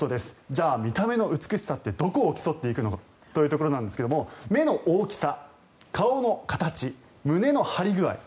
じゃあ、見た目の美しさってどこを競っていくの？というところですが目の大きさ、顔の形胸の張り具合